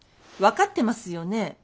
分かってますよね